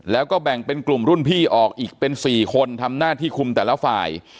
แล้วก็แบ่งเป็นกลุ่มรุ่นพี่ออกอีกเป็น๔คนทำหน้าที่คุมแต่ละฝ่าย